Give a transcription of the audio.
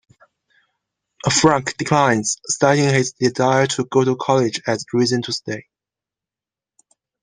Frank declines, citing his desire to go to college as reason to stay.